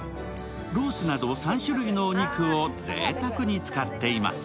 ロースなど３種類のお肉をぜいたくに使っています。